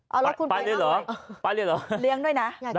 เอารถคุณไปมาก่อนไปเลยเหรอเรียงด้วยนะ